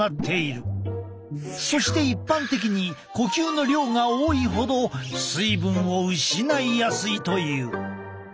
そして一般的に呼吸の量が多いほど水分を失いやすいという。